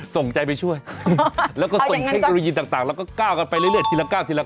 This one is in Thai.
ส่งใจไปช่วยแล้วก็ส่งเทคโนโลยีต่างแล้วก็ก้าวกันไปเรื่อยทีละก้าวทีละ